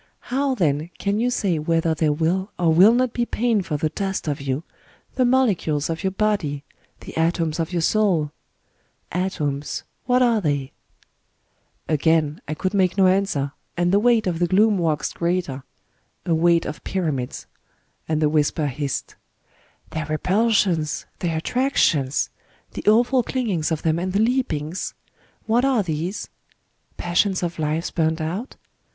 How, then, can you say whether there will or will not be pain for the dust of you, — the molecules of your body, the atoms of your soul ?... Atoms — what are they ?" Again I could make no answer, and the weight of the Gloom waxed greater — a weight of pyramids — and the whisper hissed :—" Their repulsions ? their attractions ? The awful clingings of them and the leapings ?... What are these ?... Passions of lives burnt out